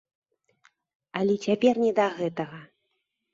Але цяпер не да гэтага.